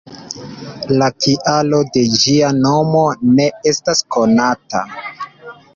La kialo de ĝia nomo ne estas konata.